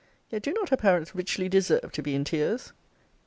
Yet do not her parents richly deserve to be in tears?